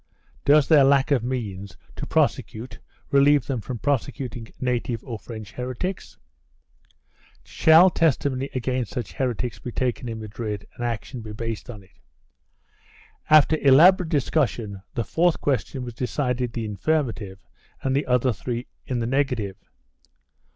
Does their lack of means to prosecute relieve them from prosecuting native or French heretics ? Shall testimony against such heretics be taken in Madrid and action be based on it? After elaborate discussion the fourth question was decided in the affirmative and the other three in the negative.